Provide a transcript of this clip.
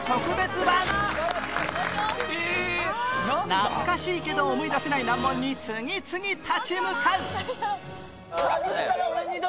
懐かしいけど思い出せない難問に次々立ち向かう